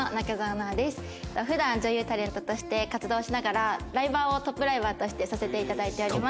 普段女優タレントとして活動しながらライバーをトップライバーとしてさせて頂いております。